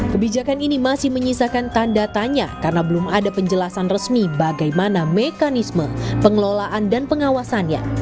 kebijakan ini masih menyisakan tanda tanya karena belum ada penjelasan resmi bagaimana mekanisme pengelolaan dan pengawasannya